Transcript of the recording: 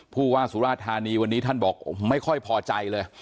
ผู้ว่าสุราธานีวันนี้ท่านบอกไม่ค่อยพอใจเลย